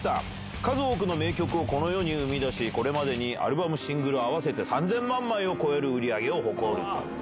数多くの名曲をこの世に生み出し、これまでにアルバム、シングル合わせて３０００万枚を超える売り上げを誇ると。